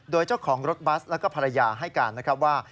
โดยเจ้าของรถบัสแล้วก็ภรรยาให้การนะครับว่า